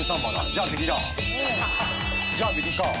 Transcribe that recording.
じゃあ右か。